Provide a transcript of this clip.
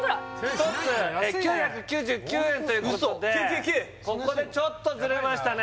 １つ９９９円ということでここでちょっとズレましたね